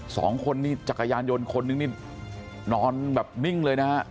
สองคนนี่จักรยานยนต์คนนึงนี่นอนแบบนิ่งเลยนะฮะ